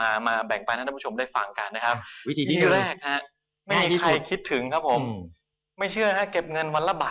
อย่าต้องมีการวางแผนนะ